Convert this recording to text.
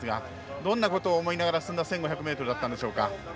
どんなことを思いながら進んだ１５００でしたか？